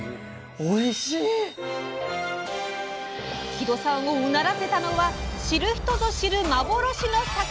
木戸さんをうならせたのは知る人ぞ知る幻の魚！